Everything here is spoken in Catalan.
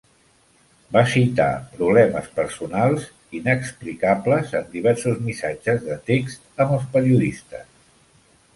Va citar "problemes personals" inexplicables en diversos missatges de text amb els periodistes.